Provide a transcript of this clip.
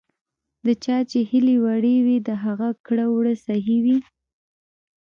د چا چې هیلې وړې وي، د هغه کړه ـ وړه صحیح وي .